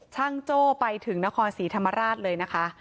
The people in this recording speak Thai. โจ้ไปถึงนครศรีธรรมราชเลยนะคะ